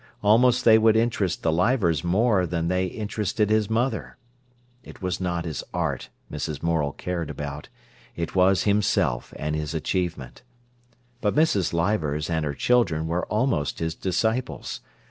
Almost they would interest the Leivers more than they interested his mother. It was not his art Mrs. Morel cared about; it was himself and his achievement. But Mrs. Leivers and her children were almost his disciples.